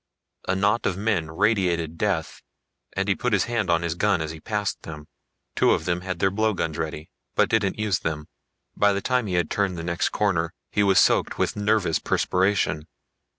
A knot of men radiated death, and he put his hand on his gun as he passed them. Two of them had their blowguns ready, but didn't use them. By the time he had turned the next corner he was soaked with nervous perspiration.